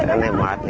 anh em mệt